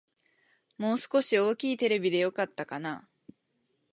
もう少し大きいテレビでよかったかな